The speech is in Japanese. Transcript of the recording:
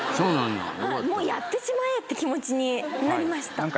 もうやってしまえ！って気持ちになりました。